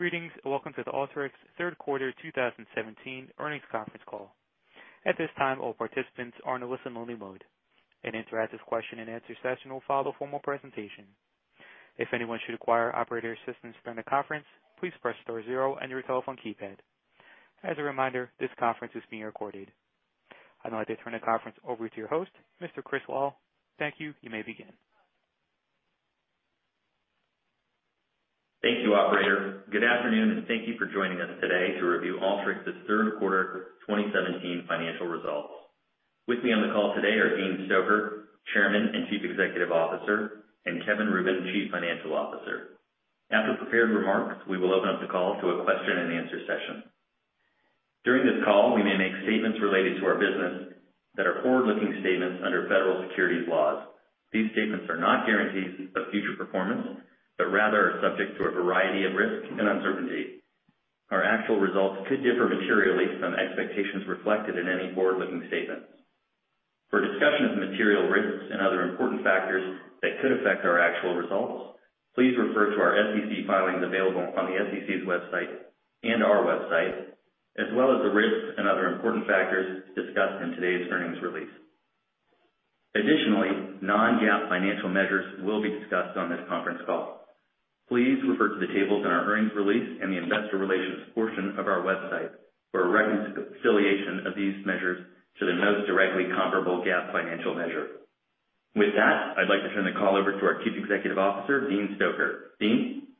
Greetings, welcome to the Alteryx third quarter 2017 earnings conference call. At this time, all participants are in a listen-only mode. An interactive question and answer session will follow formal presentation. If anyone should require operator assistance during the conference, please press star zero on your telephone keypad. As a reminder, this conference is being recorded. I'd now like to turn the conference over to your host, Mr. Chris Lal. Thank you. You may begin. Thank you, operator. Good afternoon, thank you for joining us today to review Alteryx's third quarter 2017 financial results. With me on the call today are Dean Stoecker, Chairman and Chief Executive Officer, and Kevin Rubin, Chief Financial Officer. After prepared remarks, we will open up the call to a question and answer session. During this call, we may make statements related to our business that are forward-looking statements under federal securities laws. These statements are not guarantees of future performance, but rather are subject to a variety of risks and uncertainty. Our actual results could differ materially from expectations reflected in any forward-looking statements. For a discussion of the material risks and other important factors that could affect our actual results, please refer to our SEC filings available on the SEC's website and our website, as well as the risks and other important factors discussed in today's earnings release. Additionally, non-GAAP financial measures will be discussed on this conference call. Please refer to the tables in our earnings release and the investor relations portion of our website for a reconciliation of these measures to the most directly comparable GAAP financial measure. With that, I'd like to turn the call over to our Chief Executive Officer, Dean Stoecker. Dean?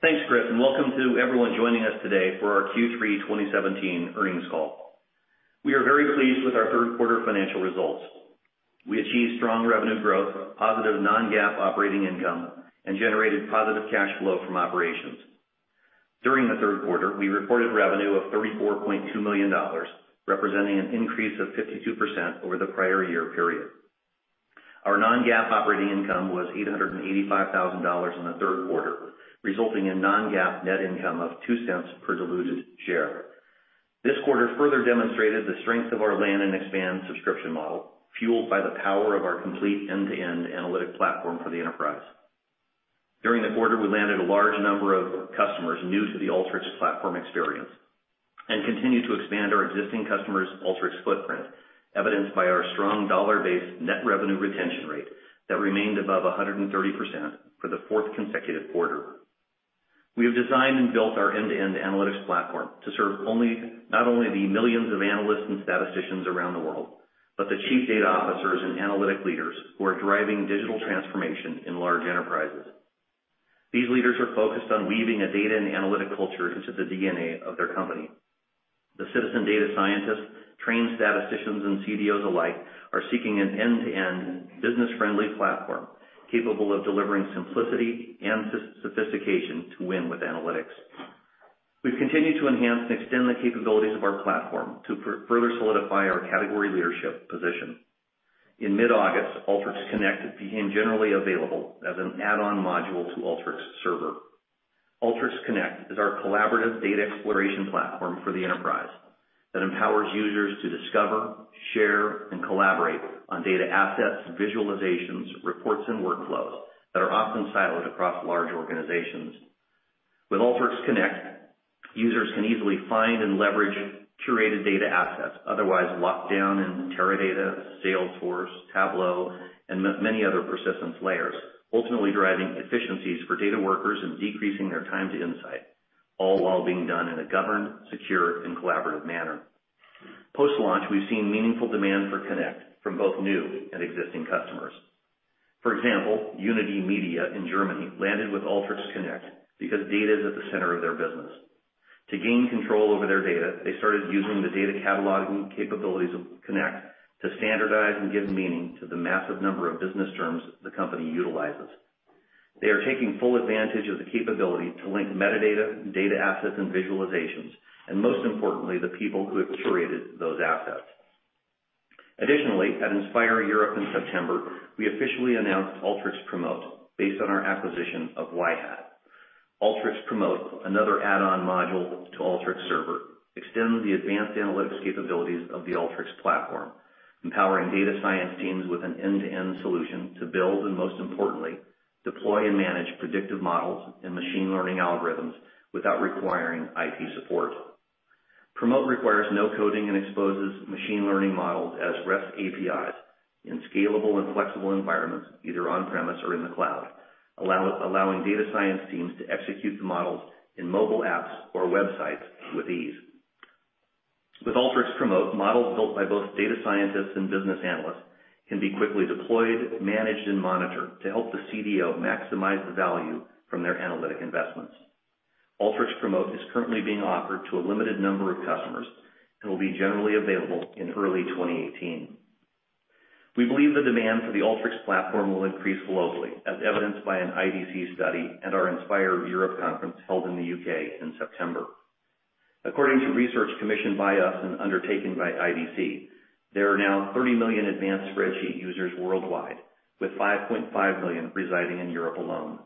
Thanks, Chris, welcome to everyone joining us today for our Q3 2017 earnings call. We are very pleased with our third quarter financial results. We achieved strong revenue growth, positive non-GAAP operating income, and generated positive cash flow from operations. During the third quarter, we reported revenue of $34.2 million, representing an increase of 52% over the prior year period. Our non-GAAP operating income was $885,000 in the third quarter, resulting in non-GAAP net income of $0.02 per diluted share. This quarter further demonstrated the strength of our land and expand subscription model, fueled by the power of our complete end-to-end analytic platform for the enterprise. During the quarter, we landed a large number of customers new to the Alteryx platform experience and continued to expand our existing customers' Alteryx footprint, evidenced by our strong dollar-based net revenue retention rate that remained above 130% for the fourth consecutive quarter. We have designed and built our end-to-end analytics platform to serve not only the millions of analysts and statisticians around the world, but the chief data officers and analytic leaders who are driving digital transformation in large enterprises. These leaders are focused on weaving a data and analytic culture into the DNA of their company. The citizen data scientists, trained statisticians, and CDOs alike are seeking an end-to-end business-friendly platform capable of delivering simplicity and sophistication to win with analytics. We've continued to enhance and extend the capabilities of our platform to further solidify our category leadership position. In mid-August, Alteryx Connect became generally available as an add-on module to Alteryx Server. Alteryx Connect is our collaborative data exploration platform for the enterprise that empowers users to discover, share, and collaborate on data assets, visualizations, reports, and workflows that are often siloed across large organizations. With Alteryx Connect, users can easily find and leverage curated data assets, otherwise locked down in Teradata, Salesforce, Tableau, and many other persistence layers, ultimately driving efficiencies for data workers and decreasing their time to insight, all while being done in a governed, secure, and collaborative manner. Post-launch, we've seen meaningful demand for Connect from both new and existing customers. For example, Unitymedia in Germany landed with Alteryx Connect because data is at the center of their business. To gain control over their data, they started using the data cataloging capabilities of Connect to standardize and give meaning to the massive number of business terms the company utilizes. They are taking full advantage of the capability to link metadata, data assets, and visualizations, and most importantly, the people who have curated those assets. Additionally, at Inspire Europe in September, we officially announced Alteryx Promote based on our acquisition of Yhat. Alteryx Promote, another add-on module to Alteryx Server, extends the advanced analytics capabilities of the Alteryx platform, empowering data science teams with an end-to-end solution to build, and most importantly, deploy and manage predictive models and machine learning algorithms without requiring IT support. Promote requires no coding and exposes machine learning models as REST APIs in scalable and flexible environments, either on-premise or in the cloud, allowing data science teams to execute the models in mobile apps or websites with ease. With Alteryx Promote, models built by both data scientists and business analysts can be quickly deployed, managed, and monitored to help the CDO maximize the value from their analytic investments. Alteryx Promote is currently being offered to a limited number of customers and will be generally available in early 2018. We believe the demand for the Alteryx platform will increase globally, as evidenced by an IDC study at our Inspire Europe conference held in the U.K. in September. According to research commissioned by us and undertaken by IDC, there are now 30 million advanced spreadsheet users worldwide, with 5.5 million residing in Europe alone.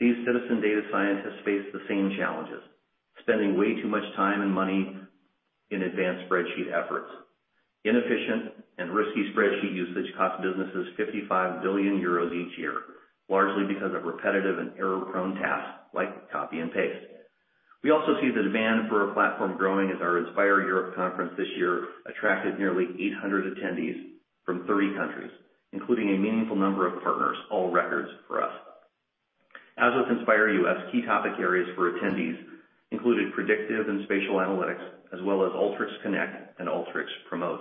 These citizen data scientists face the same challenges. Spending way too much time and money in advanced spreadsheet efforts. Inefficient and risky spreadsheet usage costs businesses 55 billion euros each year, largely because of repetitive and error-prone tasks like copy and paste. We also see the demand for our platform growing as our Inspire Europe conference this year attracted nearly 800 attendees from 30 countries, including a meaningful number of partners, all records for us. As with Inspire U.S., key topic areas for attendees included predictive and spatial analytics, as well as Alteryx Connect and Alteryx Promote.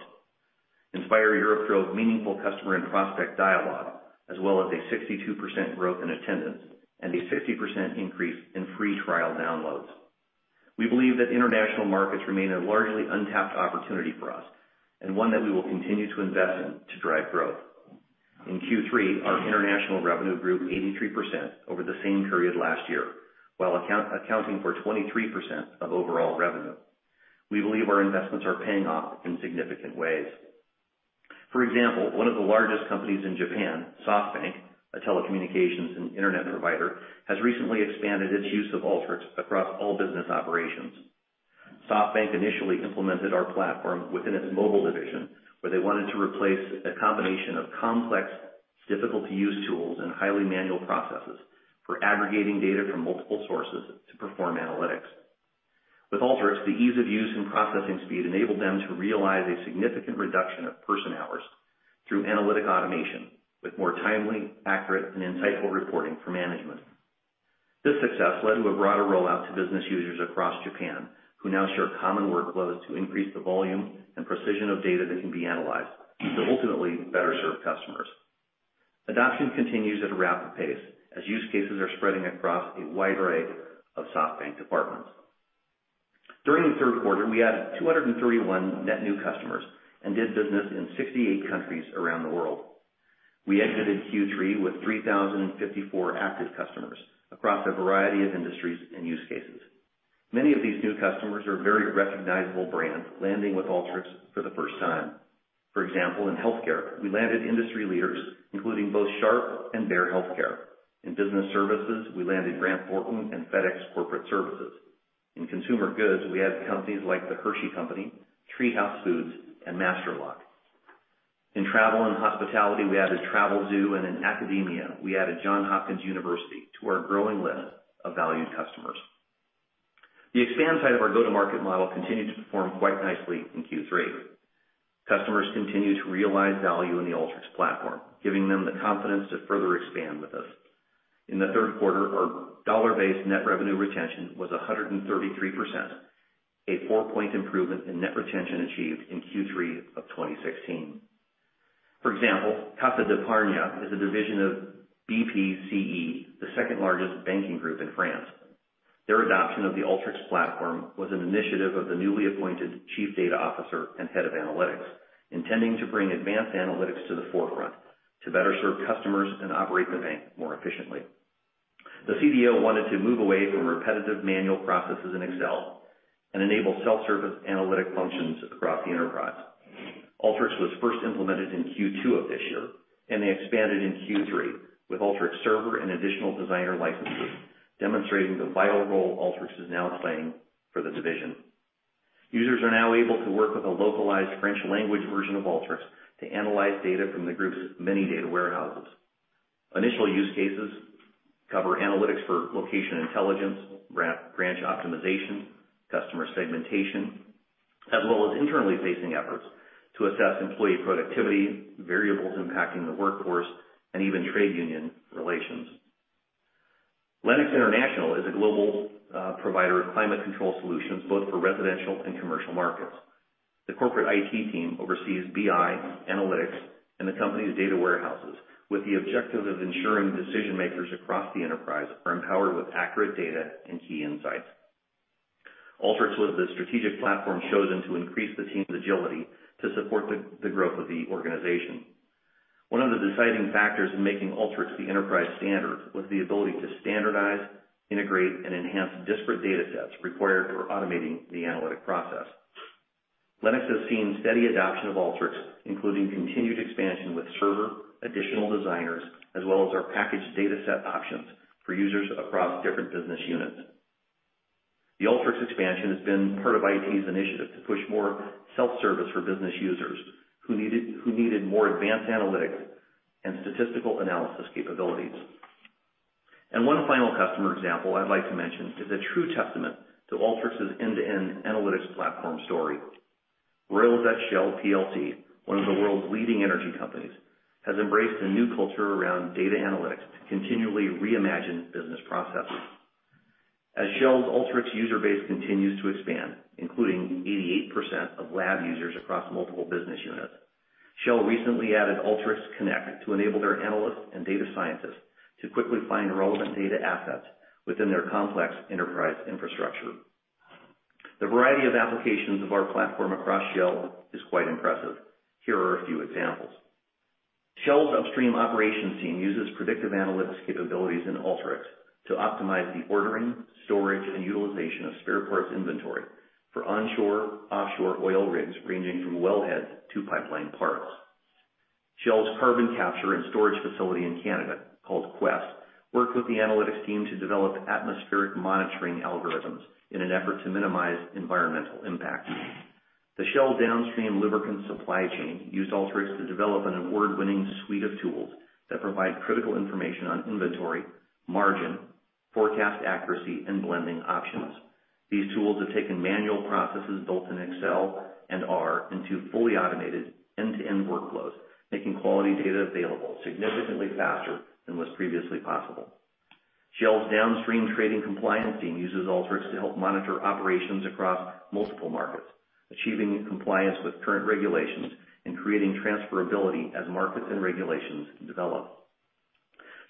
Inspire Europe drove meaningful customer and prospect dialogue, as well as a 62% growth in attendance and a 50% increase in free trial downloads. We believe that international markets remain a largely untapped opportunity for us and one that we will continue to invest in to drive growth. In Q3, our international revenue grew 83% over the same period last year, while accounting for 23% of overall revenue. We believe our investments are paying off in significant ways. For example, one of the largest companies in Japan, SoftBank, a telecommunications and internet provider, has recently expanded its use of Alteryx across all business operations. SoftBank initially implemented our platform within its mobile division, where they wanted to replace a combination of complex, difficult-to-use tools and highly manual processes for aggregating data from multiple sources to perform analytics. With Alteryx, the ease of use and processing speed enabled them to realize a significant reduction of person-hours through analytic automation with more timely, accurate, and insightful reporting for management. This success led to a broader rollout to business users across Japan, who now share common workflows to increase the volume and precision of data that can be analyzed to ultimately better serve customers. Adoption continues at a rapid pace as use cases are spreading across a wide array of SoftBank departments. During the third quarter, we added 231 net new customers and did business in 68 countries around the world. We exited Q3 with 3,054 active customers across a variety of industries and use cases. Many of these new customers are very recognizable brands, landing with Alteryx for the first time. For example, in healthcare, we landed industry leaders, including both Sharp HealthCare and Banner Health. In business services, we landed Grant Thornton and FedEx Corporate Services. In consumer goods, we added companies like The Hershey Company, TreeHouse Foods, and Master Lock. In travel and hospitality, we added Travelzoo, and in academia, we added Johns Hopkins University to our growing list of valued customers. The expand side of our go-to-market model continued to perform quite nicely in Q3. Customers continue to realize value in the Alteryx platform, giving them the confidence to further expand with us. In the third quarter, our dollar-based net revenue retention was 133%, a four-point improvement in net retention achieved in Q3 of 2016. For example, Caisse d'Épargne is a division of BPCE, the second-largest banking group in France. Their adoption of the Alteryx platform was an initiative of the newly appointed chief data officer and head of analytics, intending to bring advanced analytics to the forefront to better serve customers and operate the bank more efficiently. The CDO wanted to move away from repetitive manual processes in Excel and enable self-service analytic functions across the enterprise. Alteryx was first implemented in Q2 of this year, and they expanded in Q3 with Alteryx Server and additional Designers licenses, demonstrating the vital role Alteryx is now playing for the division. Users are now able to work with a localized French language version of Alteryx to analyze data from the group's many data warehouses. Initial use cases cover analytics for location intelligence, branch optimization, customer segmentation, as well as internally facing efforts to assess employee productivity, variables impacting the workforce, and even trade union relations. Lennox International is a global provider of climate control solutions, both for residential and commercial markets. The corporate IT team oversees BI, analytics, and the company's data warehouses with the objective of ensuring decision-makers across the enterprise are empowered with accurate data and key insights. Alteryx was the strategic platform chosen to increase the team's agility to support the growth of the organization. One of the deciding factors in making Alteryx the enterprise standard was the ability to standardize, integrate, and enhance disparate datasets required for automating the analytic process. Lennox has seen steady adoption of Alteryx, including continued expansion with Server, additional Designers, as well as our packaged dataset options for users across different business units. The Alteryx expansion has been part of IT's initiative to push more self-service for business users who needed more advanced analytics and statistical analysis capabilities. One final customer example I'd like to mention is a true testament to Alteryx's end-to-end analytics platform story. Royal Dutch Shell PLC, one of the world's leading energy companies, has embraced a new culture around data analytics to continually reimagine business processes. As Shell's Alteryx user base continues to expand, including 88% of lab users across multiple business units, Shell recently added Alteryx Connect to enable their analysts and data scientists to quickly find relevant data assets within their complex enterprise infrastructure. The variety of applications of our platform across Shell is quite impressive. Here are a few examples. Shell's upstream operations team uses predictive analytics capabilities in Alteryx to optimize the ordering, storage, and utilization of spare parts inventory for onshore-offshore oil rigs, ranging from wellheads to pipeline parts. Shell's carbon capture and storage facility in Canada, called Quest, worked with the analytics team to develop atmospheric monitoring algorithms in an effort to minimize environmental impact. The Shell downstream lubricant supply chain used Alteryx to develop an award-winning suite of tools that provide critical information on inventory, margin, forecast accuracy, and blending options. These tools have taken manual processes built in Excel and R into fully automated end-to-end workflows, making quality data available significantly faster than was previously possible. Shell's downstream trading compliance team uses Alteryx to help monitor operations across multiple markets, achieving compliance with current regulations and creating transferability as markets and regulations develop.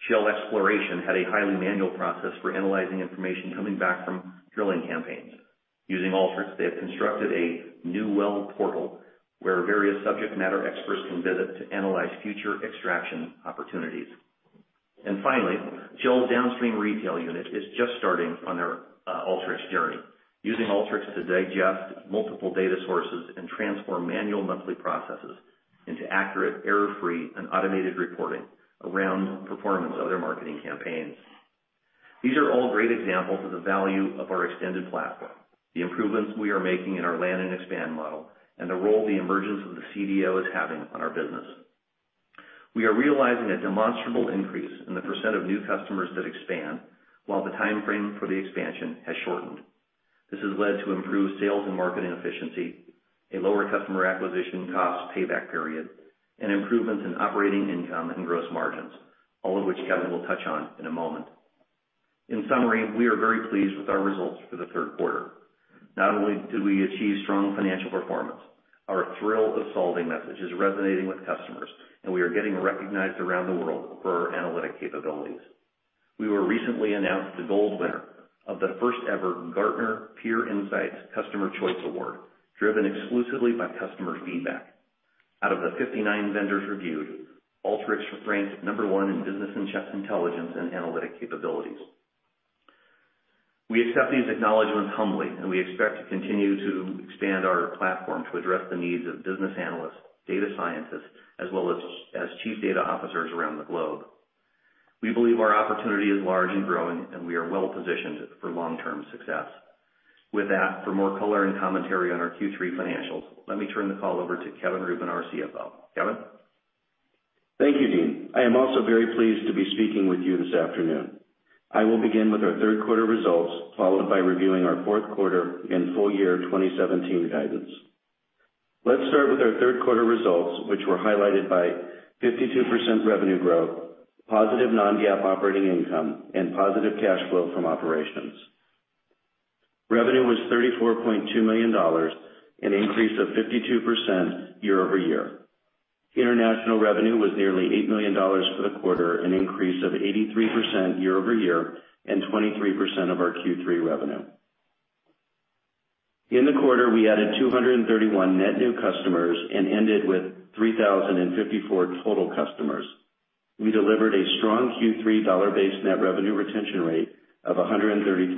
Shell Exploration had a highly manual process for analyzing information coming back from drilling campaigns. Using Alteryx, they have constructed a new well portal where various subject matter experts can visit to analyze future extraction opportunities. Finally, Shell's downstream retail unit is just starting on their Alteryx journey, using Alteryx to digest multiple data sources and transform manual monthly processes into accurate, error-free, and automated reporting around performance of their marketing campaigns. These are all great examples of the value of our extended platform, the improvements we are making in our land and expand model, and the role the emergence of the CDO is having on our business. We are realizing a demonstrable increase in the % of new customers that expand, while the timeframe for the expansion has shortened. This has led to improved sales and marketing efficiency, a lower customer acquisition cost payback period, and improvements in operating income and gross margins. All of which Kevin will touch on in a moment. In summary, we are very pleased with our results for the third quarter. Not only did we achieve strong financial performance, our thrill of solving message is resonating with customers, and we are getting recognized around the world for our analytic capabilities. We were recently announced the gold winner of the first-ever Gartner Peer Insights Customers' Choice Award, driven exclusively by customer feedback. Out of the 59 vendors reviewed, Alteryx was ranked number 1 in business intelligence and analytic capabilities. We accept these acknowledgments humbly. We expect to continue to expand our platform to address the needs of business analysts, data scientists, as well as chief data officers around the globe. We believe our opportunity is large and growing. We are well-positioned for long-term success. With that, for more color and commentary on our Q3 financials, let me turn the call over to Kevin Rubin, our CFO. Kevin? Thank you, Dean. I am also very pleased to be speaking with you this afternoon. I will begin with our third quarter results, followed by reviewing our fourth quarter and full year 2017 guidance. Let's start with our third quarter results, which were highlighted by 52% revenue growth, positive non-GAAP operating income, and positive cash flow from operations. Revenue was $34.2 million, an increase of 52% year-over-year. International revenue was nearly $8 million for the quarter, an increase of 83% year-over-year and 23% of our Q3 revenue. In the quarter, we added 231 net new customers and ended with 3,054 total customers. We delivered a strong Q3 dollar-based net revenue retention rate of 133%.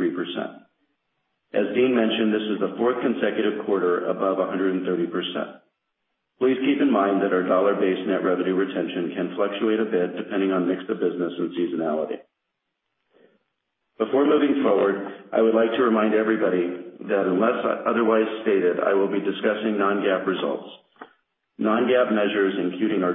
As Dean mentioned, this is the fourth consecutive quarter above 130%. Please keep in mind that our dollar-based net revenue retention can fluctuate a bit depending on mix of business and seasonality. Before moving forward, I would like to remind everybody that unless otherwise stated, I will be discussing non-GAAP results. Non-GAAP measures, including our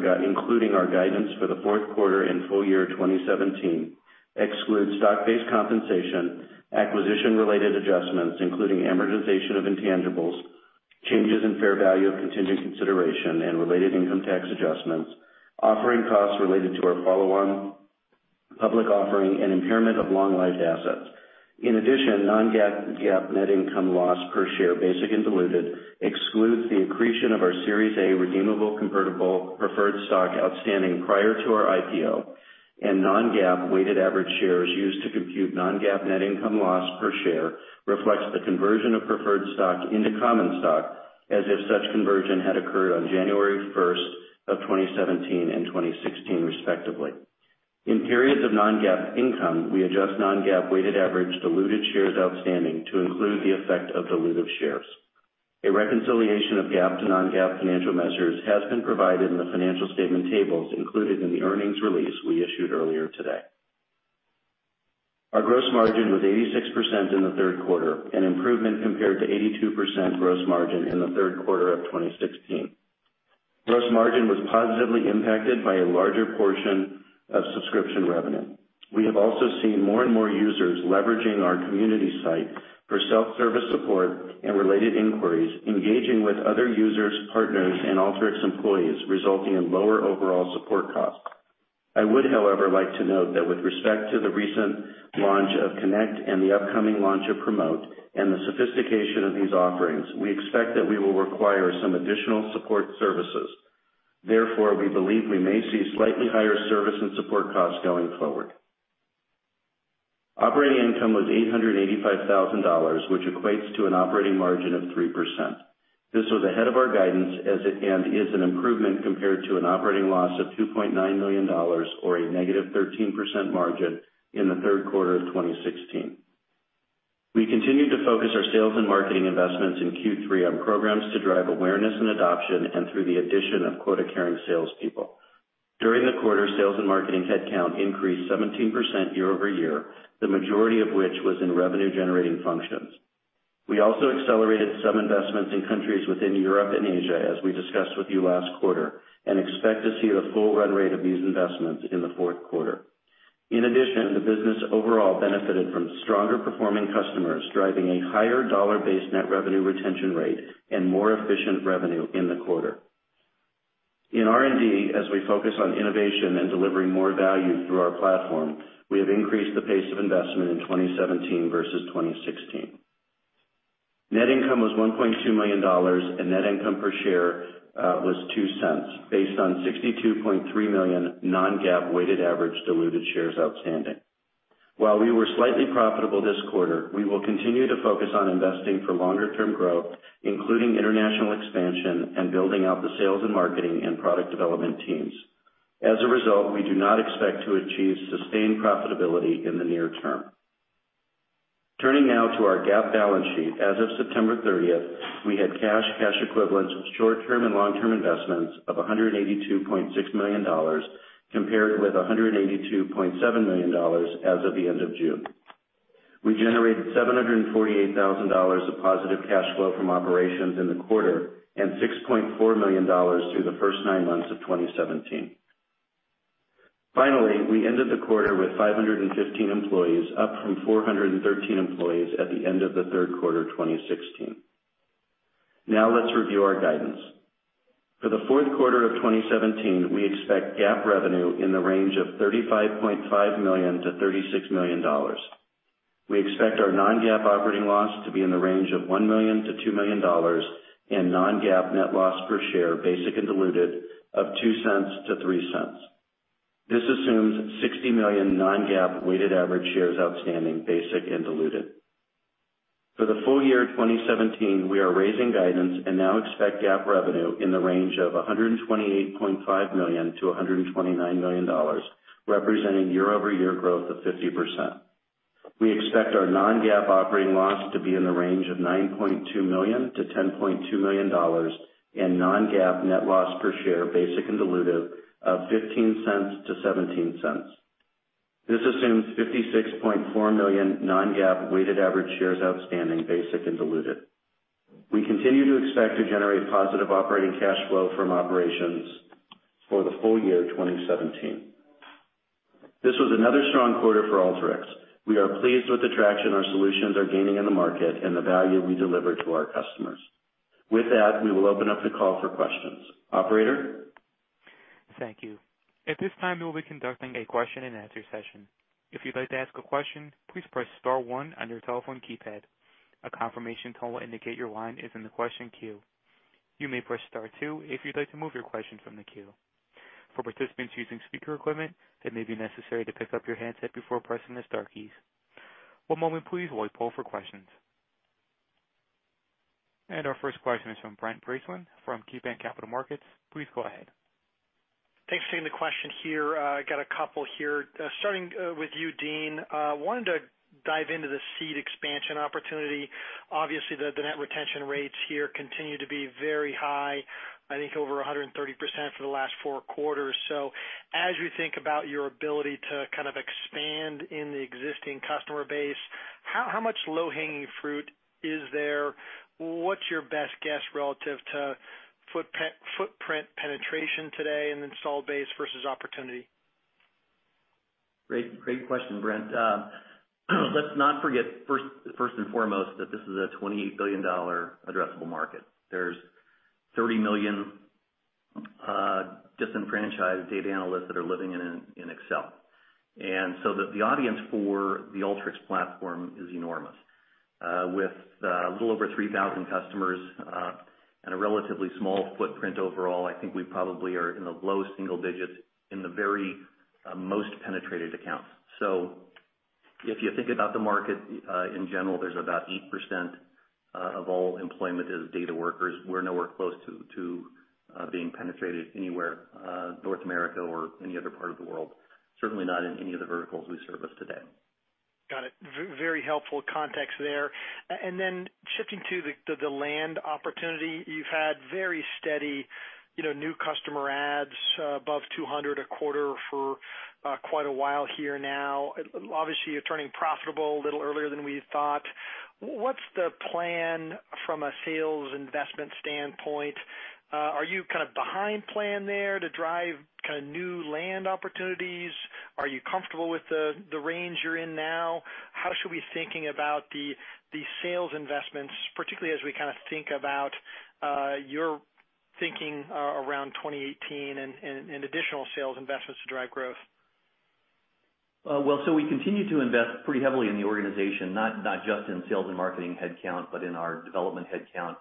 guidance for the fourth quarter and full year 2017, exclude stock-based compensation, acquisition-related adjustments, including amortization of intangibles, changes in fair value of contingent consideration and related income tax adjustments, offering costs related to our follow-on public offering, and impairment of long-lived assets. In addition, non-GAAP net income loss per share, basic and diluted, excludes the accretion of our Series A redeemable convertible preferred stock outstanding prior to our IPO. Non-GAAP weighted average shares used to compute non-GAAP net income loss per share reflects the conversion of preferred stock into common stock as if such conversion had occurred on January 1st of 2017 and 2016, respectively. In periods of non-GAAP income, we adjust non-GAAP weighted average diluted shares outstanding to include the effect of diluted shares. A reconciliation of GAAP to non-GAAP financial measures has been provided in the financial statement tables included in the earnings release we issued earlier today. Our gross margin was 86% in the third quarter, an improvement compared to 82% gross margin in the third quarter of 2016. Gross margin was positively impacted by a larger portion of subscription revenue. We have also seen more and more users leveraging our community site for self-service support and related inquiries, engaging with other users, partners, and Alteryx employees, resulting in lower overall support costs. I would, however, like to note that with respect to the recent launch of Connect and the upcoming launch of Promote, and the sophistication of these offerings, we expect that we will require some additional support services. Therefore, we believe we may see slightly higher service and support costs going forward. Operating income was $885,000, which equates to an operating margin of 3%. This was ahead of our guidance as it is an improvement compared to an operating loss of $2.9 million or a negative 13% margin in the third quarter of 2016. We continued to focus our sales and marketing investments in Q3 on programs to drive awareness and adoption and through the addition of quota-carrying salespeople. During the quarter, sales and marketing headcount increased 17% year-over-year, the majority of which was in revenue-generating functions. We also accelerated some investments in countries within Europe and Asia, as we discussed with you last quarter, and expect to see the full run rate of these investments in the fourth quarter. In addition, the business overall benefited from stronger performing customers, driving a higher dollar-based net revenue retention rate and more efficient revenue in the quarter. In R&D, as we focus on innovation and delivering more value through our platform, we have increased the pace of investment in 2017 versus 2016. Net income was $1.2 million, and net income per share was $0.02, based on 62.3 million non-GAAP weighted average diluted shares outstanding. While we were slightly profitable this quarter, we will continue to focus on investing for longer-term growth, including international expansion and building out the sales and marketing and product development teams. As a result, we do not expect to achieve sustained profitability in the near term. Turning now to our GAAP balance sheet. As of September 30th, we had cash equivalents, short-term and long-term investments of $182.6 million, compared with $182.7 million as of the end of June. We generated $748,000 of positive cash flow from operations in the quarter and $6.4 million through the first nine months of 2017. We ended the quarter with 515 employees, up from 413 employees at the end of the third quarter 2016. Now let's review our guidance. For the fourth quarter of 2017, we expect GAAP revenue in the range of $35.5 million-$36 million. We expect our non-GAAP operating loss to be in the range of $1 million-$2 million and non-GAAP net loss per share, basic and diluted, of $0.02-$0.03. This assumes 60 million non-GAAP weighted average shares outstanding, basic and diluted. For the full year 2017, we are raising guidance and now expect GAAP revenue in the range of $128.5 million-$129 million, representing year-over-year growth of 50%. We expect our non-GAAP operating loss to be in the range of $9.2 million-$10.2 million and non-GAAP net loss per share, basic and diluted, of $0.15-$0.17. This assumes 56.4 million non-GAAP weighted average shares outstanding, basic and diluted. We continue to expect to generate positive operating cash flow from operations for the full year 2017. This was another strong quarter for Alteryx. We are pleased with the traction our solutions are gaining in the market and the value we deliver to our customers. With that, we will open up the call for questions. Operator? Thank you. At this time, we'll be conducting a question and answer session. If you'd like to ask a question, please press star one on your telephone keypad. A confirmation tone will indicate your line is in the question queue. You may press star two if you'd like to move your question from the queue. For participants using speaker equipment, it may be necessary to pick up your handset before pressing the star keys. One moment please while we poll for questions. Our first question is from Brent Bracelin from KeyBanc Capital Markets. Please go ahead. Thanks for taking the question here. Got a couple here. Starting with you, Dean. Wanted to dive into the seat expansion opportunity. Obviously, the net retention rates here continue to be very high. I think over 130% for the last four quarters. As we think about your ability to kind of expand in the existing customer base, how much low-hanging fruit is there? What's your best guess relative to footprint penetration today and installed base versus opportunity? Great question, Brent. Let's not forget, first and foremost, that this is a $28 billion addressable market. There's 30 million disenfranchised data analysts that are living in Excel. The audience for the Alteryx platform is enormous. With a little over 3,000 customers and a relatively small footprint overall, I think we probably are in the low single digits in the very most penetrated accounts. If you think about the market in general, there's about 8% of all employment is data workers. We're nowhere close to being penetrated anywhere, North America or any other part of the world. Certainly not in any of the verticals we service today. Got it. Very helpful context there. Shifting to the land opportunity. You've had very steady new customer adds above 200 a quarter for quite a while here now. Obviously, you're turning profitable a little earlier than we thought. What's the plan from a sales investment standpoint? Are you kind of behind plan there to drive new land opportunities? Are you comfortable with the range you're in now? How should we be thinking about the sales investments, particularly as we kind of think about your thinking around 2018 and additional sales investments to drive growth? We continue to invest pretty heavily in the organization, not just in sales and marketing headcount, but in our development headcount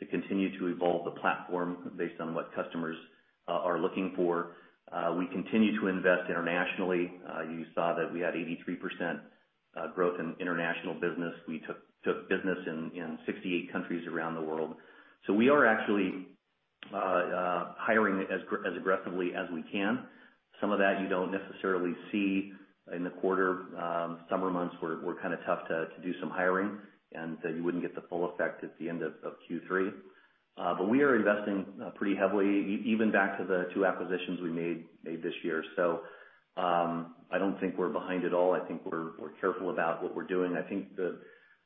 to continue to evolve the platform based on what customers are looking for. We continue to invest internationally. You saw that we had 83% growth in international business. We took business in 68 countries around the world. We are actually hiring as aggressively as we can. Some of that you don't necessarily see in the quarter. Summer months were kind of tough to do some hiring, and you wouldn't get the full effect at the end of Q3. We are investing pretty heavily, even back to the two acquisitions we made this year. I don't think we're behind at all. I think we're careful about what we're doing. I think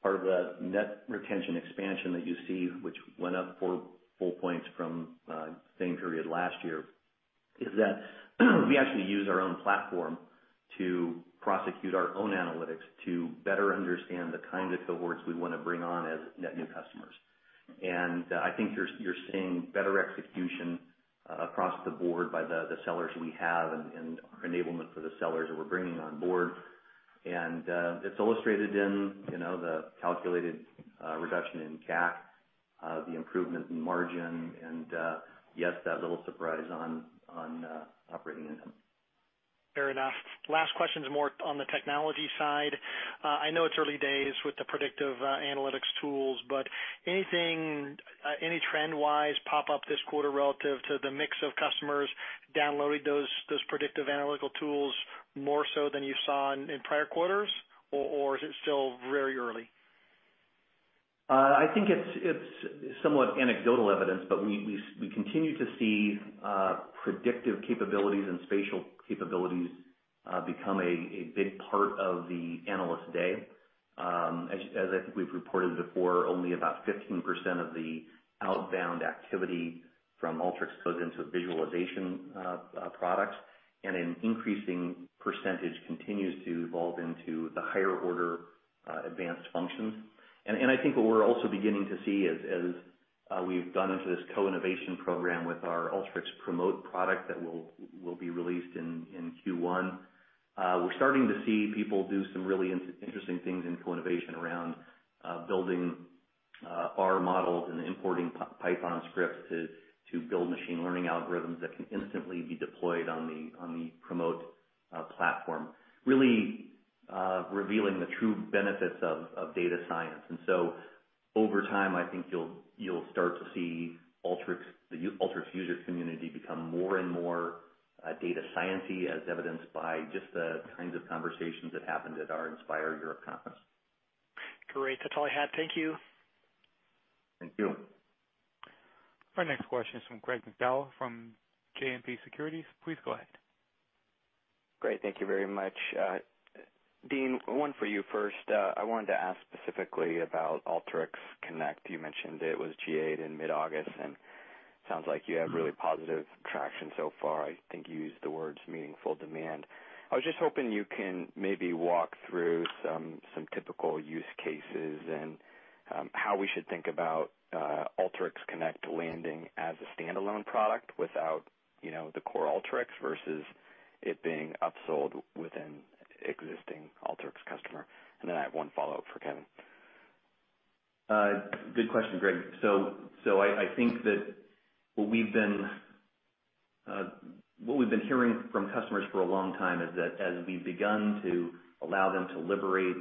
part of the dollar-based net revenue retention expansion that you see, which went up four full points from the same period last year, is that we actually use our own platform to prosecute our own analytics to better understand the kind of cohorts we want to bring on as net new customers. I think you're seeing better execution across the board by the sellers we have and our enablement for the sellers that we're bringing on board. It's illustrated in the calculated reduction in CAC, the improvement in margin, and yes, that little surprise on operating income. Fair enough. Last question is more on the technology side. I know it's early days with the predictive analytics tools, but any trend-wise pop-up this quarter relative to the mix of customers downloading those predictive analytical tools more so than you saw in prior quarters? Or is it still very early? I think it's somewhat anecdotal evidence, but we continue to see predictive capabilities and spatial capabilities become a big part of the analyst day. As I think we've reported before, only about 15% of the outbound activity from Alteryx goes into visualization products, and an increasing percentage continues to evolve into the higher order advanced functions. I think what we're also beginning to see, as we've gone into this co-innovation program with our Alteryx Promote product that will be released in Q1, we're starting to see people do some really interesting things in co-innovation around building R models and importing Python scripts to build machine learning algorithms that can instantly be deployed on the Promote platform, really revealing the true benefits of data science. Over time, I think you'll start to see the Alteryx user community become more and more data science-y, as evidenced by just the kinds of conversations that happened at our Inspire Europe conference. Great. That's all I had. Thank you. Thank you. Our next question is from Greg McDowell from JMP Securities. Please go ahead. Great. Thank you very much. Dean, one for you first. I wanted to ask specifically about Alteryx Connect. You mentioned it was GA'd in mid-August, sounds like you have really positive traction so far. I think you used the words meaningful demand. I was just hoping you can maybe walk through some typical use cases and how we should think about Alteryx Connect landing as a standalone product without the core Alteryx versus it being upsold within existing Alteryx customer. Then I have one follow-up for Kevin. Good question, Greg. I think that what we've been hearing from customers for a long time is that as we've begun to allow them to liberate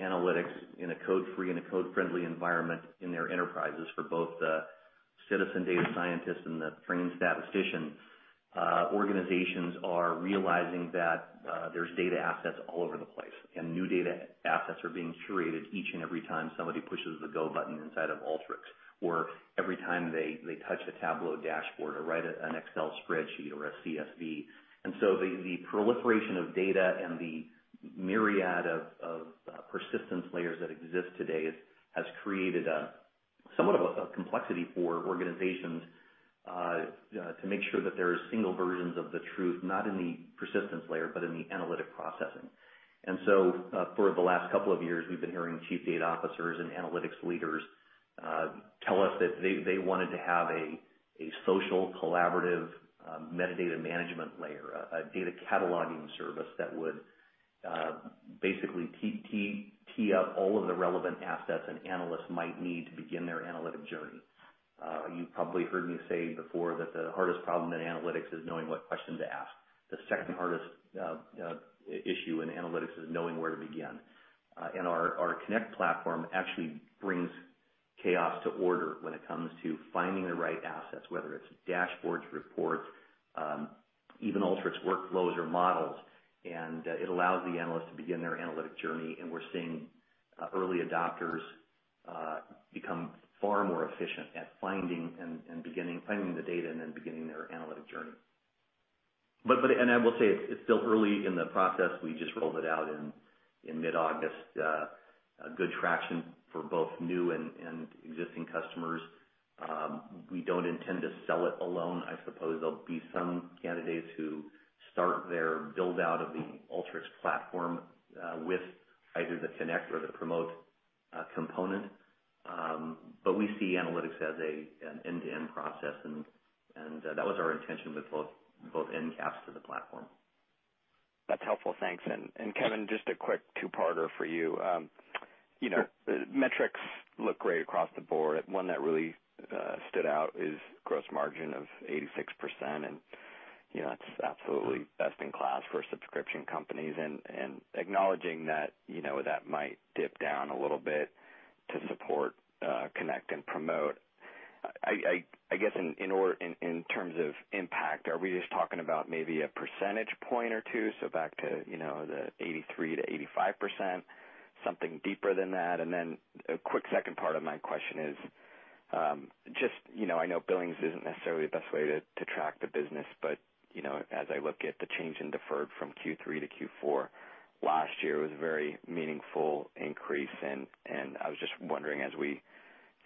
analytics in a code-free and a code-friendly environment in their enterprises for both the citizen data scientists and the trained statisticians, organizations are realizing that there's data assets all over the place, new data assets are being curated each and every time somebody pushes the go button inside of Alteryx, or every time they touch a Tableau dashboard or write an Excel spreadsheet or a CSV. The proliferation of data and the myriad of persistence layers that exist today has created somewhat of a complexity for organizations to make sure that there are single versions of the truth, not in the persistence layer, but in the analytic processing. For the last couple of years, we've been hearing Chief Data Officers and analytics leaders tell us that they wanted to have a social, collaborative, metadata management layer, a data cataloging service that would basically tee up all of the relevant assets an analyst might need to begin their analytic journey. You probably heard me say before that the hardest problem in analytics is knowing what question to ask. The second hardest issue in analytics is knowing where to begin. Our Connect platform actually brings chaos to order when it comes to finding the right assets, whether it's dashboards, reports, even Alteryx workflows or models, and it allows the analyst to begin their analytic journey. We're seeing early adopters become far more efficient at finding the data and then beginning their analytic journey. I will say, it's still early in the process. We just rolled it out in mid-August. Good traction for both new and existing customers. We don't intend to sell it alone. I suppose there'll be some candidates who start their build-out of the Alteryx platform with either the Connect or the Promote component. We see analytics as an end-to-end process, and that was our intention with both endcaps to the platform. That's helpful. Thanks. Kevin, just a quick two-parter for you. Metrics look great across the board. One that really stood out is gross margin of 86%. It's absolutely best in class for subscription companies, acknowledging that might dip down a little bit to support Connect and Promote. I guess, in terms of impact, are we just talking about maybe a percentage point or two, so back to the 83%-85%, something deeper than that? Then a quick second part of my question is, I know billings isn't necessarily the best way to track the business, but as I look at the change in deferred from Q3 to Q4, last year was a very meaningful increase. I was just wondering, as we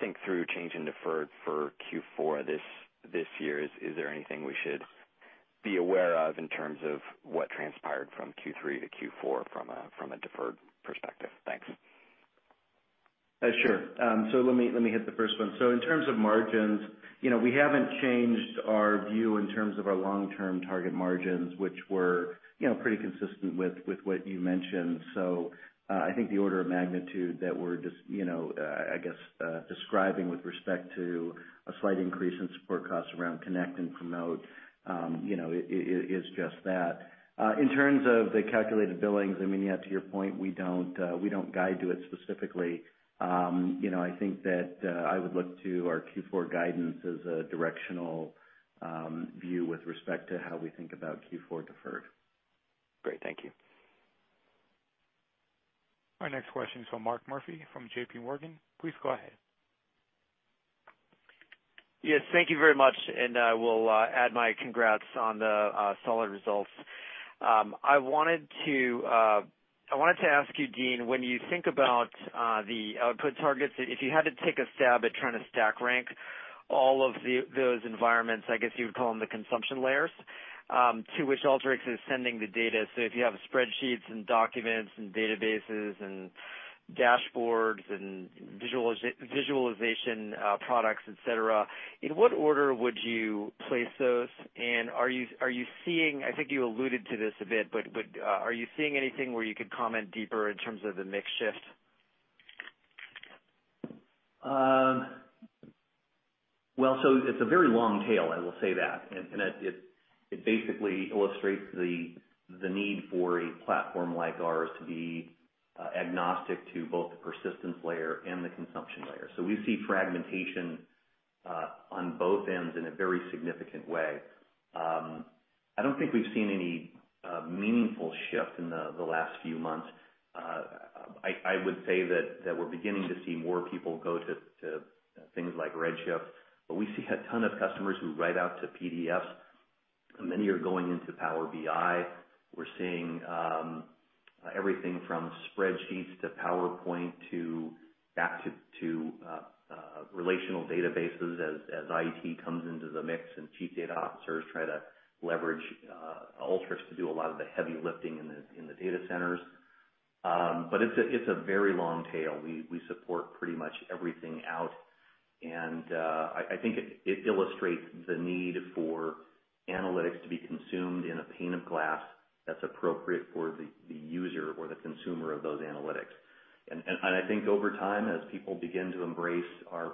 think through change in deferred for Q4 this year, is there anything we should be aware of in terms of what transpired from Q3 to Q4 from a deferred perspective? Thanks. Sure. Let me hit the first one. In terms of margins, we haven't changed our view in terms of our long-term target margins, which were pretty consistent with what you mentioned. I think the order of magnitude that we're, I guess, describing with respect to a slight increase in support costs around Alteryx Connect and Alteryx Promote is just that. In terms of the calculated billings, to your point, we don't guide to it specifically. I think that I would look to our Q4 guidance as a directional view with respect to how we think about Q4 deferred. Great. Thank you. Our next question is from Mark Murphy from JPMorgan. Please go ahead. Yes, thank you very much. I will add my congrats on the solid results. I wanted to ask you, Dean, when you think about the output targets, if you had to take a stab at trying to stack rank all of those environments, I guess you would call them the consumption layers, to which Alteryx is sending the data. If you have spreadsheets and documents and databases and dashboards and visualization products, et cetera, in what order would you place those? I think you alluded to this a bit, but are you seeing anything where you could comment deeper in terms of the mix shift? It's a very long tail, I will say that. It basically illustrates the need for a platform like ours to be agnostic to both the persistence layer and the consumption layer. We see fragmentation on both ends in a very significant way. I don't think we've seen any meaningful shift in the last few months. I would say that we're beginning to see more people go to things like Redshift, but we see a ton of customers who write out to PDFs. Many are going into Power BI. We're seeing everything from spreadsheets to PowerPoint back to relational databases as IT comes into the mix and chief data officers try to leverage Alteryx to do a lot of the heavy lifting in the data centers. It's a very long tail. We support pretty much everything out, and I think it illustrates the need for analytics to be consumed in a pane of glass that's appropriate for the user or the consumer of those analytics. I think over time, as people begin to embrace our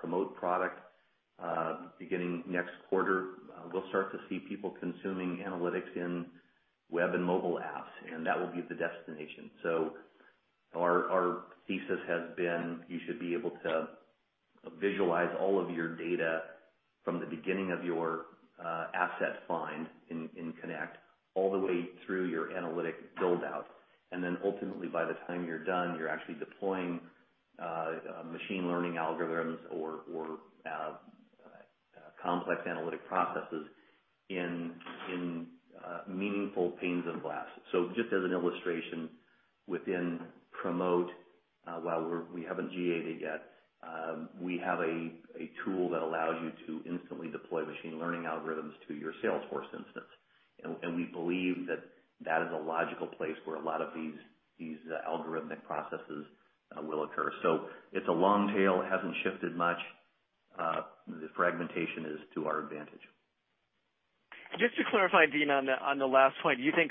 Promote product, beginning next quarter, we'll start to see people consuming analytics in web and mobile apps, and that will be the destination. Our thesis has been, you should be able to visualize all of your data from the beginning of your asset find in Connect, all the way through your analytic build-out. Ultimately, by the time you're done, you're actually deploying machine learning algorithms or complex analytic processes in meaningful panes of glass. Just as an illustration, within Promote, while we haven't GA'd it yet, we have a tool that allows you to instantly deploy machine learning algorithms to your Salesforce instance. We believe that that is a logical place where a lot of these algorithmic processes will occur. It's a long tail. It hasn't shifted much. The fragmentation is to our advantage. Just to clarify, Dean, on the last point, do you think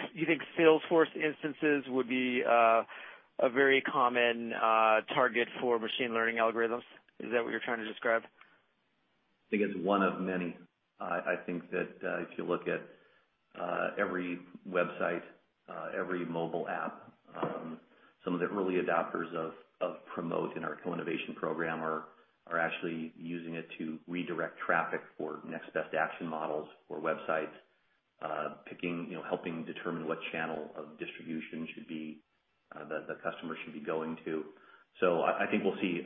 Salesforce instances would be a very common target for machine learning algorithms? Is that what you're trying to describe? I think it's one of many. I think that if you look at every website, every mobile app, some of the early adopters of Promote in our co-innovation program are actually using it to redirect traffic for next best action models for websites, helping determine what channel of distribution the customer should be going to. I think we'll see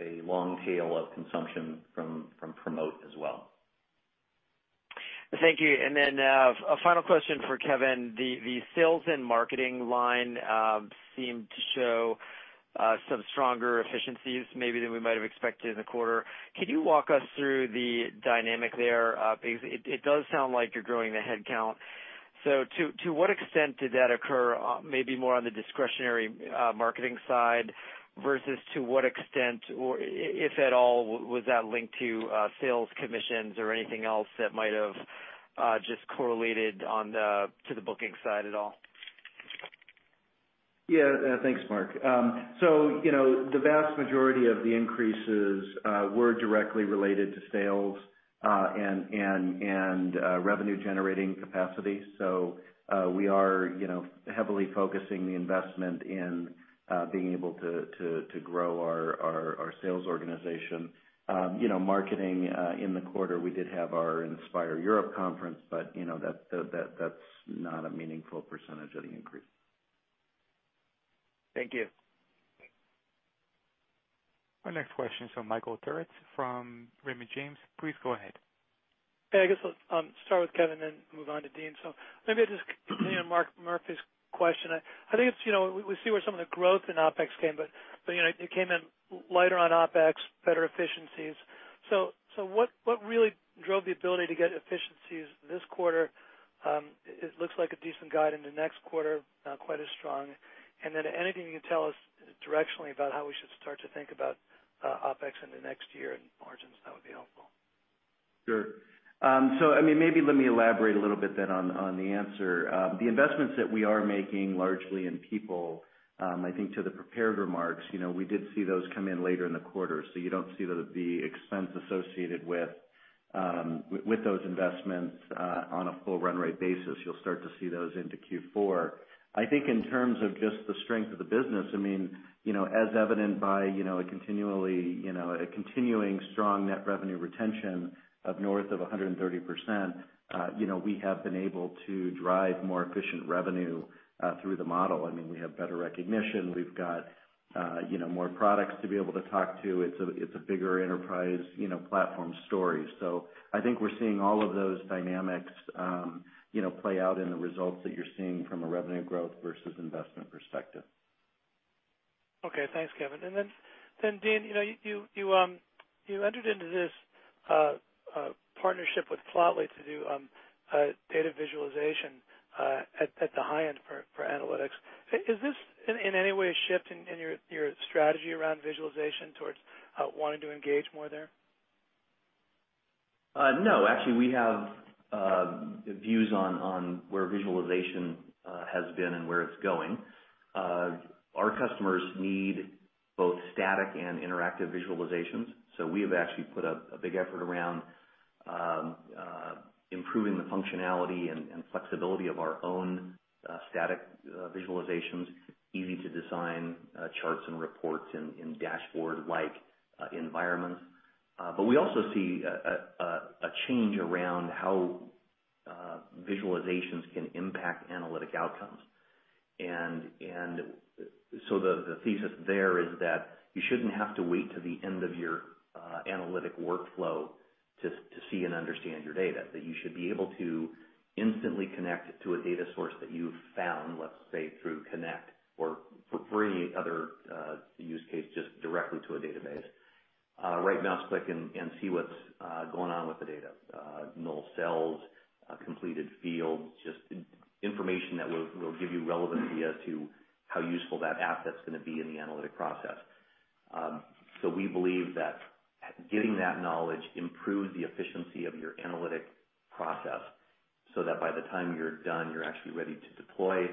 a long tail of consumption from Promote as well. Thank you. A final question for Kevin. The sales and marketing line seemed to show some stronger efficiencies maybe than we might have expected in the quarter. Can you walk us through the dynamic there? It does sound like you're growing the headcount. To what extent did that occur, maybe more on the discretionary marketing side, versus to what extent, if at all, was that linked to sales commissions or anything else that might have just correlated to the booking side at all? Thanks, Mark. The vast majority of the increases were directly related to sales and revenue-generating capacity. We are heavily focusing the investment in being able to grow our sales organization. Marketing, in the quarter, we did have our Inspire Europe conference, but that's not a meaningful percentage of the increase. Thank you. Our next question is from Michael Turits from Raymond James. Please go ahead. Hey, I guess I'll start with Kevin, then move on to Dean. Maybe I'll just continue on Mark Murphy's question. I think we see where some of the growth in OpEx came, it came in lighter on OpEx, better efficiencies. What really drove the ability to get efficiencies this quarter? It looks like a decent guide in the next quarter, not quite as strong. Anything you can tell us directionally about how we should start to think about OpEx in the next year and margins, that would be helpful. Sure. Maybe let me elaborate a little bit then on the answer. The investments that we are making largely in people, I think to the prepared remarks, we did see those come in later in the quarter. You don't see the expense associated with those investments on a full run rate basis. You'll start to see those into Q4. I think in terms of just the strength of the business, as evident by a continuing strong net revenue retention of north of 130%, we have been able to drive more efficient revenue through the model. We have better recognition. We've got more products to be able to talk to. It's a bigger enterprise platform story. I think we're seeing all of those dynamics play out in the results that you're seeing from a revenue growth versus investment perspective. Okay. Thanks, Kevin. Dean, you entered into this partnership with Plotly to do data visualization at the high end for analytics. Is this in any way a shift in your strategy around visualization towards wanting to engage more there? No, actually, we have views on where visualization has been and where it is going. Our customers need both static and interactive visualizations. We have actually put a big effort around improving the functionality and flexibility of our own static visualizations, easy-to-design charts and reports in dashboard-like environments. We also see a change around how visualizations can impact analytic outcomes. The thesis there is that you shouldn't have to wait to the end of your analytic workflow to see and understand your data, that you should be able to instantly connect to a data source that you've found, let's say through Connect or for any other use case, just directly to a database. Right mouse click and see what's going on with the data. Null cells, completed fields, just information that will give you relevancy as to how useful that asset's going to be in the analytic process. We believe that getting that knowledge improves the efficiency of your analytic process, so that by the time you're done, you're actually ready to deploy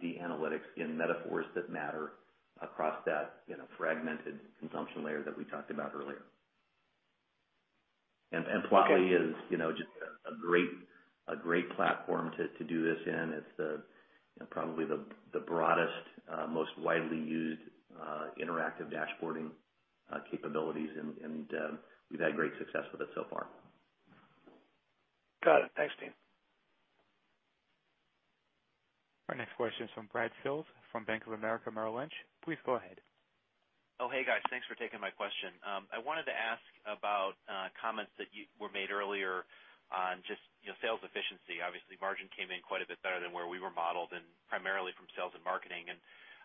the analytics in metaphors that matter across that fragmented consumption layer that we talked about earlier. Plotly is just a great platform to do this in. It's probably the broadest, most widely used interactive dashboarding capabilities, and we've had great success with it so far. Got it. Thanks, Dean. Our next question is from Brad Sills from Bank of America Merrill Lynch. Please go ahead. Oh, hey, guys. Thanks for taking my question. I wanted to ask about comments that were made earlier on just sales efficiency. Obviously, margin came in quite a bit better than where we were modeled, and primarily from sales and marketing.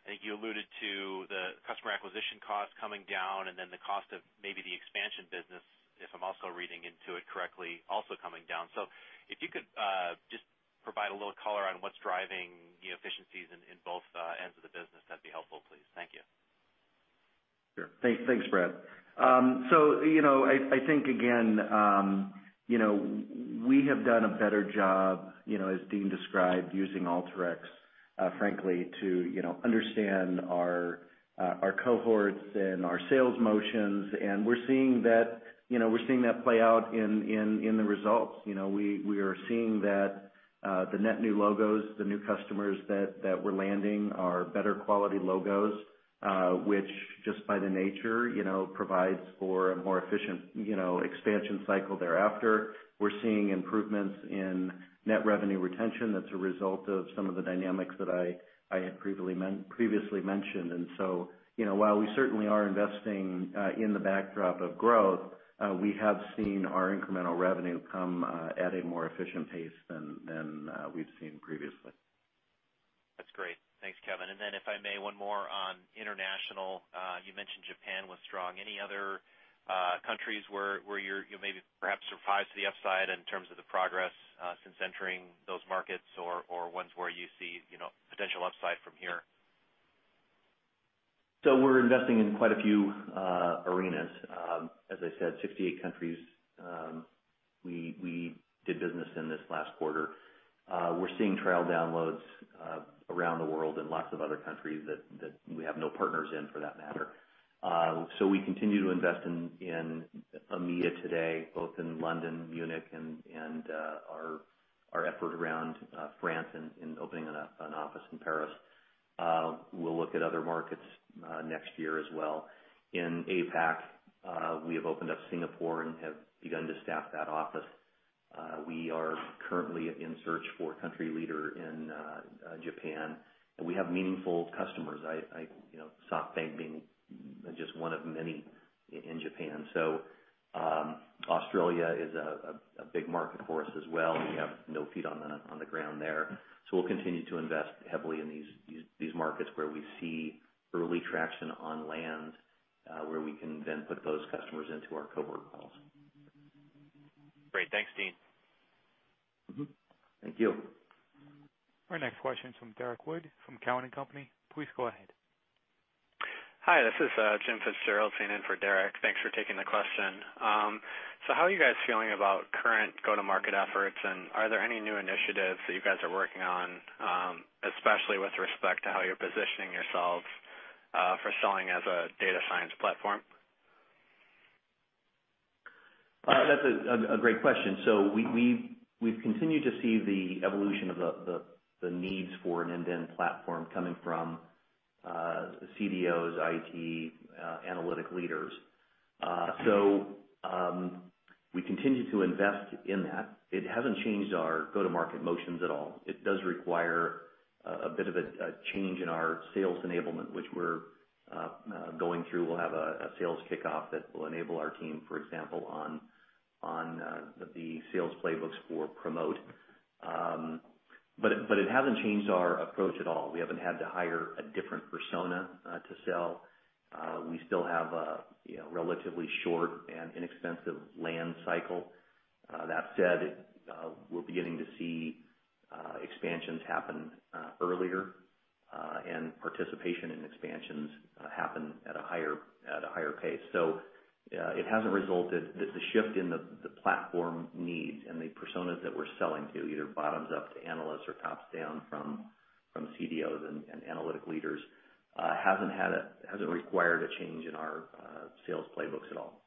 I think you alluded to the customer acquisition cost coming down and then the cost of maybe the expansion business, if I'm also reading into it correctly, also coming down. If you could just provide a little color on what's driving the efficiencies in both ends of the business, that'd be helpful, please. Thank you. Sure. Thanks, Brad. I think, again, we have done a better job, as Dean described, using Alteryx, frankly, to understand our cohorts and our sales motions. We're seeing that play out in the results. We are seeing that the net new logos, the new customers that we're landing are better quality logos, which just by the nature, provides for a more efficient expansion cycle thereafter. We're seeing improvements in net revenue retention that's a result of some of the dynamics that I had previously mentioned. While we certainly are investing in the backdrop of growth, we have seen our incremental revenue come at a more efficient pace than we've seen previously. That's great. Thanks, Kevin. If I may, one more on international. You mentioned Japan was strong. Any other countries where you're maybe perhaps surprised to the upside in terms of the progress since entering those markets or ones where you see potential upside from here? We're investing in quite a few arenas. As I said, 68 countries we did business in this last quarter. We're seeing trial downloads around the world in lots of other countries that we have no partners in for that matter. We continue to invest in EMEA today, both in London, Munich, and our effort around France in opening an office in Paris. We'll look at other markets next year as well. In APAC, we have opened up Singapore and have begun to staff that office. We are currently in search for a country leader in Japan, and we have meaningful customers. SoftBank being just one of many in Japan. Australia is a big market for us as well. We have no feet on the ground there. We'll continue to invest heavily in these markets where we see early traction on land, where we can then put those customers into our cohort models. Great. Thanks, Dean. Thank you. Our next question is from Derrick Wood from Cowen and Company. Please go ahead. Hi, this is Jim Fitzgerald sitting in for Derrick Wood. Thanks for taking the question. How are you guys feeling about current go-to-market efforts, and are there any new initiatives that you guys are working on, especially with respect to how you're positioning yourselves for selling as a data science platform? That's a great question. We've continued to see the evolution of the needs for an end-to-end platform coming from CDOs, IT, analytic leaders. We continue to invest in that. It hasn't changed our go-to-market motions at all. It does require a bit of a change in our sales enablement, which we're going through. We'll have a sales kickoff that will enable our team, for example, on the sales playbooks for Alteryx Promote. It hasn't changed our approach at all. We haven't had to hire a different persona to sell. We still have a relatively short and inexpensive land cycle. That said, we're beginning to see expansions happen earlier, and participation in expansions happen at a higher pace. It hasn't resulted, the shift in the platform needs and the personas that we're selling to, either bottoms-up to analysts or tops-down from CDOs and analytic leaders, hasn't required a change in our sales playbooks at all.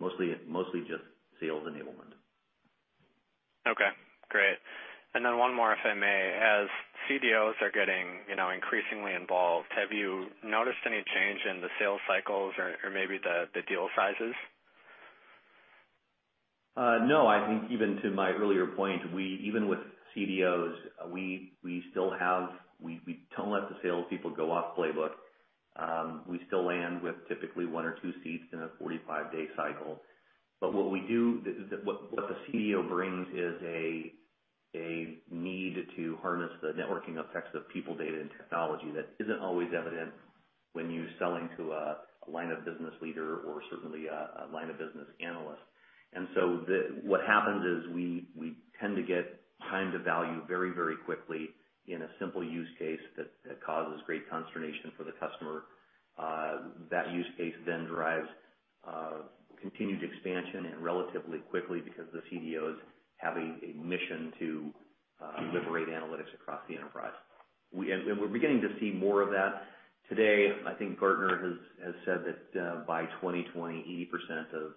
Mostly just sales enablement. Okay. Great. One more, if I may. As CDOs are getting increasingly involved, have you noticed any change in the sales cycles or maybe the deal sizes? No. I think even to my earlier point, even with CDOs, we don't let the salespeople go off playbook. We still land with typically one or two seats in a 45-day cycle. What the CDO brings is a need to harness the networking effects of people, data, and technology that isn't always evident when you're selling to a line of business leader or certainly a line of business analyst. What happens is we tend to get time to value very, very quickly in a simple use case that causes great consternation for the customer. That use case then drives continued expansion and relatively quickly because the CDO's having a mission to liberate analytics across the enterprise. We're beginning to see more of that today. I think Gartner has said that by 2020, 80% of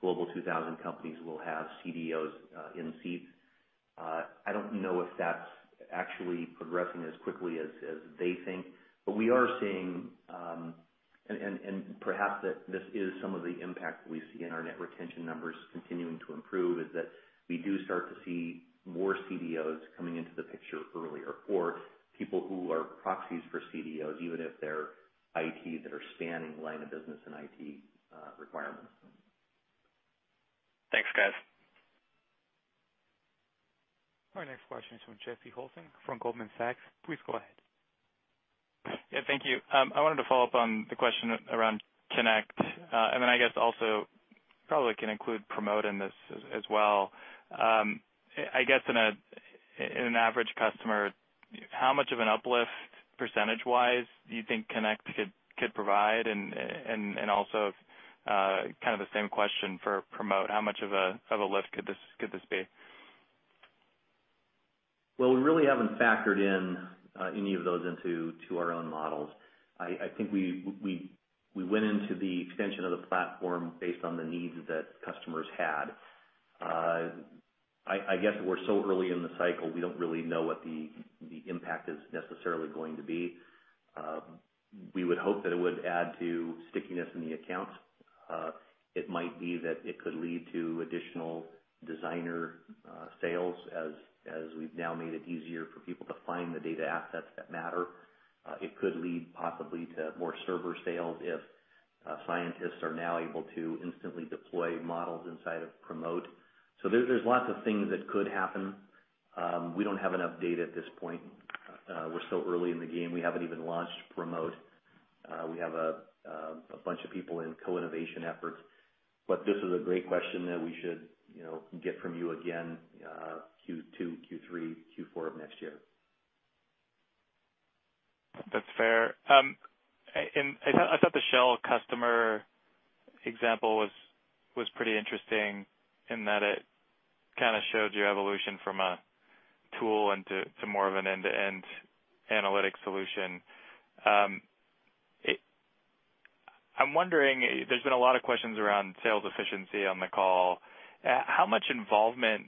Global 2000 companies will have CDOs in seats. I don't know if that's actually progressing as quickly as they think. We are seeing, and perhaps this is some of the impact we see in our net retention numbers continuing to improve, is that we do start to see more CDOs coming into the picture earlier. People who are proxies for CDOs, even if they're IT that are spanning line of business and IT requirements. Thanks, guys. Our next question is from Jesse Hulsing from Goldman Sachs. Please go ahead. Yeah, thank you. I wanted to follow up on the question around Connect. I guess also probably can include Promote in this as well. I guess in an average customer, how much of an uplift percentage-wise do you think Connect could provide? Kind of the same question for Promote, how much of a lift could this be? Well, we really haven't factored any of those into our own models. I think we went into the extension of the platform based on the needs that customers had. I guess we're so early in the cycle, we don't really know what the impact is necessarily going to be. We would hope that it would add to stickiness in the accounts. It might be that it could lead to additional Designer sales, as we've now made it easier for people to find the data assets that matter. It could lead possibly to more Server sales if scientists are now able to instantly deploy models inside of Promote. There's lots of things that could happen. We don't have enough data at this point. We're so early in the game. We haven't even launched Promote. A bunch of people in co-innovation efforts. This is a great question that we should get from you again, Q2, Q3, Q4 of next year. That's fair. I thought the Shell customer example was pretty interesting in that it kind of showed your evolution from a tool into more of an end-to-end analytic solution. I'm wondering, there's been a lot of questions around sales efficiency on the call. How much involvement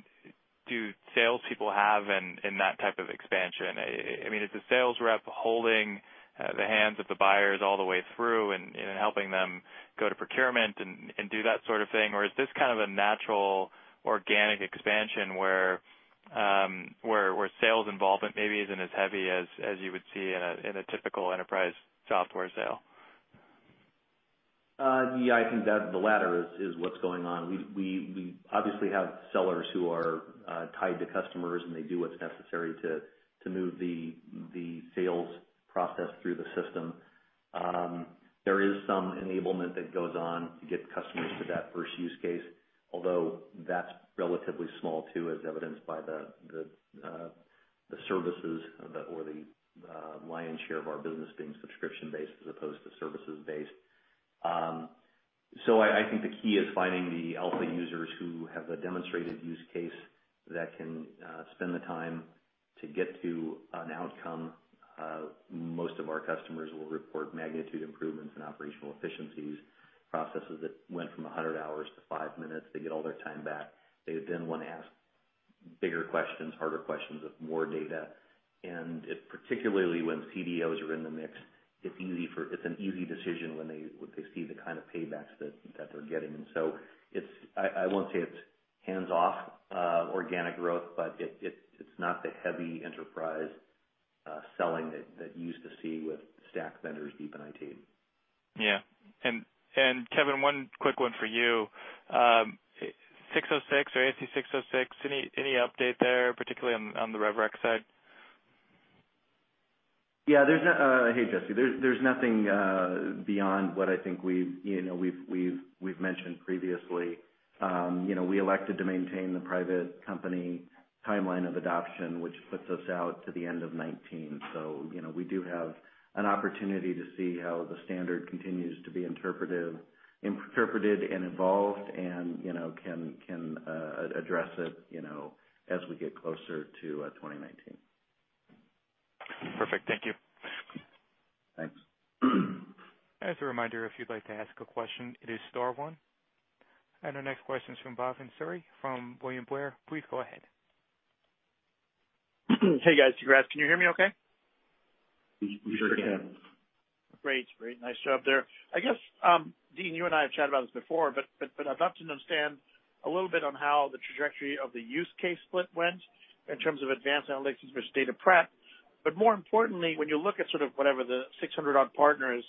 do salespeople have in that type of expansion? Is the sales rep holding the hands of the buyers all the way through and helping them go to procurement and do that sort of thing? Is this kind of a natural organic expansion where sales involvement maybe isn't as heavy as you would see in a typical enterprise software sale? I think the latter is what's going on. We obviously have sellers who are tied to customers. They do what's necessary to move the sales process through the system. There is some enablement that goes on to get customers to that first use case, although that's relatively small too, as evidenced by the services or the lion's share of our business being subscription-based as opposed to services-based. I think the key is finding the alpha users who have a demonstrated use case that can spend the time to get to an outcome. Most of our customers will report magnitude improvements in operational efficiencies, processes that went from 100 hours to five minutes. They get all their time back. They want to ask bigger questions, harder questions of more data. Particularly when CDOs are in the mix, it's an easy decision when they see the kind of paybacks that they're getting. I won't say it's hands-off organic growth, but it's not the heavy enterprise selling that you used to see with stack vendors deep in IT. Kevin, one quick one for you. 606 or ASC 606, any update there, particularly on the rev rec side? Hey, Jesse. There's nothing beyond what I think we've mentioned previously. We elected to maintain the private company timeline of adoption, which puts us out to the end of 2019. We do have an opportunity to see how the standard continues to be interpreted and evolved and can address it as we get closer to 2019. Perfect. Thank you. Thanks. As a reminder, if you'd like to ask a question, it is star one. Our next question is from Bhavin Suri from William Blair. Please go ahead. Hey, guys. Can you hear me okay? We sure can. Great. Nice job there. I guess, Dean, you and I have chatted about this before, but I'd love to understand a little bit on how the trajectory of the use case split went in terms of advanced analytics versus data prep. More importantly, when you look at sort of whatever the 600-odd partners,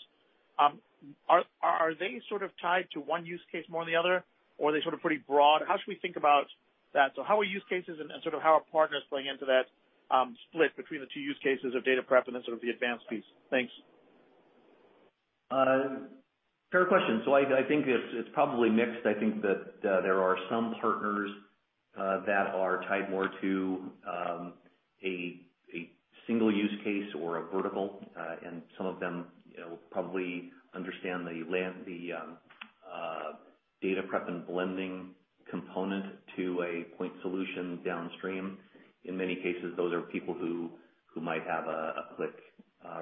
are they sort of tied to one use case more than the other, or are they sort of pretty broad? How should we think about that? How are use cases and sort of how are partners playing into that split between the 2 use cases of data prep and then sort of the advanced piece? Thanks. Fair question. I think it's probably mixed. I think that there are some partners that are tied more to a 1 use case or a vertical. Some of them probably understand the data prep and blending component to a point solution downstream. In many cases, those are people who might have a Qlik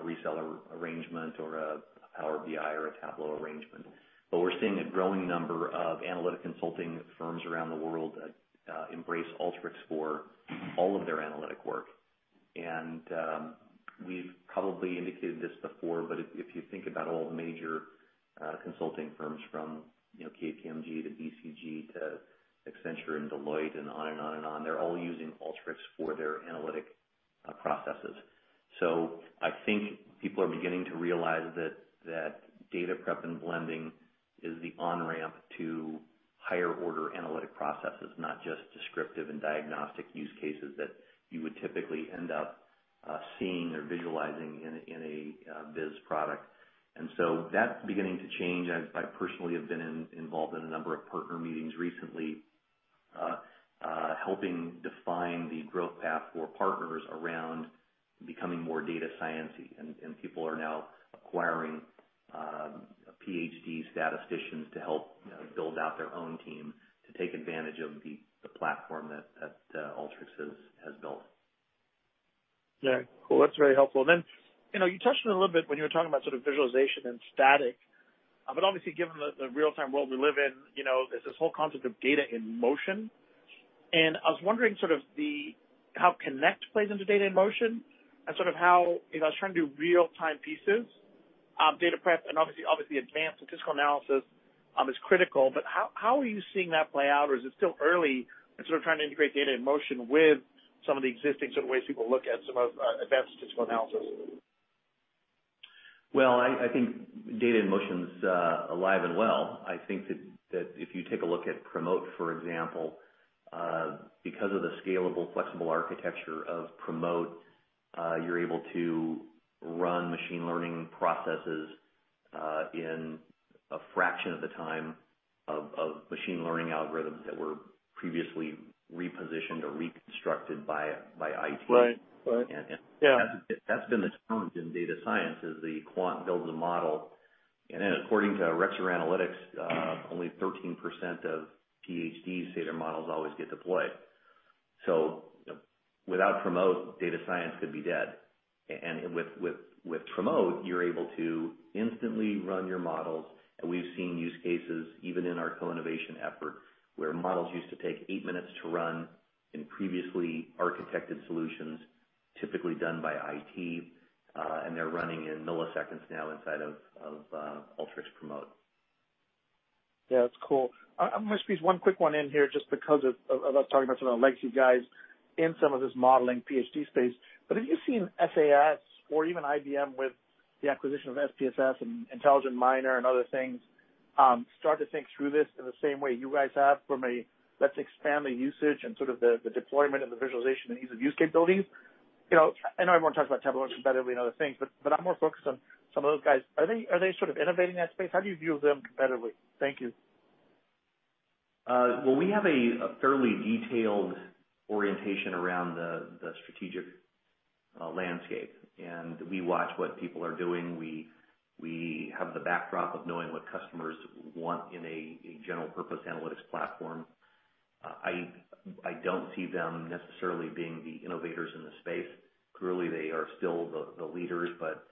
reseller arrangement or a Power BI or a Tableau arrangement. But we're seeing a growing number of analytic consulting firms around the world that embrace Alteryx for all of their analytic work. We've probably indicated this before, but if you think about all the major consulting firms from KPMG to BCG to Accenture and Deloitte and on and on and on, they're all using Alteryx for their analytic processes. I think people are beginning to realize that data prep and blending is the on-ramp to higher order analytic processes, not just descriptive and diagnostic use cases that you would typically end up seeing or visualizing in a BI product. That's beginning to change. I personally have been involved in a number of partner meetings recently, helping define the growth path for partners around becoming more data science-y, and people are now acquiring PhD statisticians to help build out their own team to take advantage of the platform that Alteryx has built. Yeah, cool. That's very helpful. You touched on it a little bit when you were talking about sort of visualization and static, obviously, given the real-time world we live in, there's this whole concept of data in motion. I was wondering sort of how Connect plays into data in motion and sort of how, if I was trying to do real-time pieces, data prep and obviously advanced statistical analysis is critical, how are you seeing that play out, or is it still early in sort of trying to integrate data in motion with some of the existing certain ways people look at some of advanced statistical analysis? Well, I think data in motion is alive and well. I think that if you take a look at Promote, for example, because of the scalable, flexible architecture of Promote You're able to run machine learning processes in a fraction of the time of machine learning algorithms that were previously repositioned or reconstructed by IT. Right. Yeah. That's been the challenge in data science, is the quant builds a model, and then according to Rexer Analytics, only 13% of PhDs say their models always get deployed. Without Promote, data science could be dead. With Promote, you're able to instantly run your models. We've seen use cases, even in our co-innovation efforts, where models used to take eight minutes to run in previously architected solutions, typically done by IT, and they're running in milliseconds now inside of Alteryx Promote. Yeah, that's cool. I'm going to squeeze one quick one in here, just because of us talking about some of the legacy guys in some of this modeling PhD space. Have you seen SAS or even IBM with the acquisition of SPSS and Intelligent Miner and other things, start to think through this in the same way you guys have from a let's expand the usage and sort of the deployment and the visualization and ease of use case building? I know everyone talks about Tableau and competitive and other things, I'm more focused on some of those guys. Are they sort of innovating that space? How do you view them competitively? Thank you. Well, we have a fairly detailed orientation around the strategic landscape, and we watch what people are doing. We have the backdrop of knowing what customers want in a general purpose analytics platform. I don't see them necessarily being the innovators in the space. Clearly, they are still the leaders, but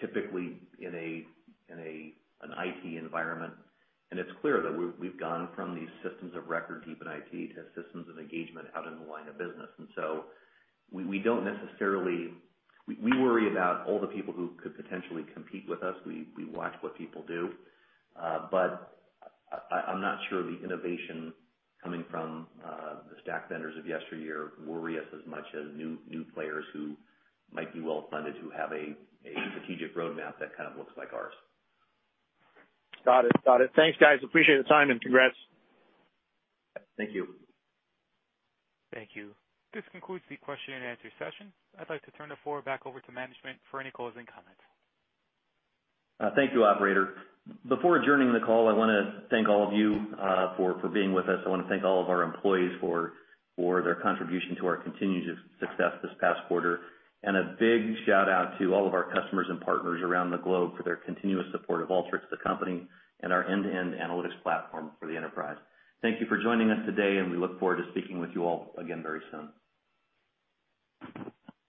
typically in an IT environment. It's clear that we've gone from these systems of record deep in IT to systems of engagement out in the line of business. We worry about all the people who could potentially compete with us. We watch what people do. I'm not sure the innovation coming from the stack vendors of yesteryear worry us as much as new players who might be well-funded, who have a strategic roadmap that kind of looks like ours. Got it. Thanks, guys. Appreciate the time and congrats. Thank you. Thank you. This concludes the question and answer session. I'd like to turn the floor back over to management for any closing comments. Thank you, operator. Before adjourning the call, I want to thank all of you for being with us. I want to thank all of our employees for their contribution to our continued success this past quarter, and a big shout-out to all of our customers and partners around the globe for their continuous support of Alteryx the company, and our end-to-end analytics platform for the enterprise. Thank you for joining us today, and we look forward to speaking with you all again very soon.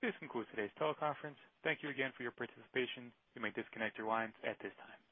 This concludes today's teleconference. Thank you again for your participation. You may disconnect your lines at this time.